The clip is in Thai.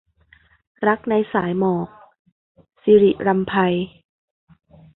รักในสายหมอก - ศิริรำไพ